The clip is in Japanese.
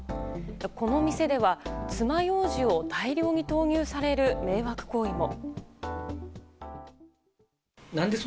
この店では爪ようじを大量に投入される迷惑行為も。